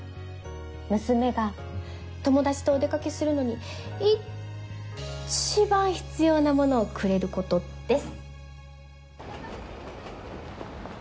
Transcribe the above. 娘が友達とお出かけするのにいっちばん必要なものをくれることです！